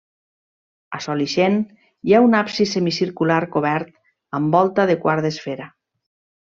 A sol ixent hi ha un absis semicircular cobert amb volta de quart d'esfera.